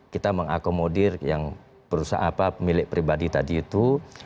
kita mengakomodir yang perusahaan milik pribadi tadi itu